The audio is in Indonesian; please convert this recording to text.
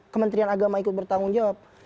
kementerian agama ikut bertanggung jawab